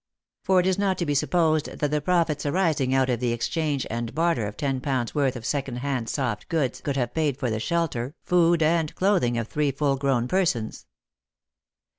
For it is not to be supposed that the profits arising out of the exchange and barter of ten pounds' worth of second hand soft goods could Lost for Love. 49 have paid for the shelter, food, and clothing of three full grown persons.